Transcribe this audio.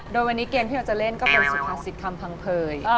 โดยวันนี้เกมที่เราจะเล่นก็เป็นสุภาษิตคำพังเผย